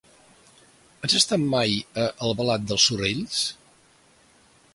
Has estat mai a Albalat dels Sorells?